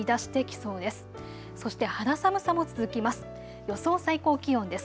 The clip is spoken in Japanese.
そして肌寒さも続きます。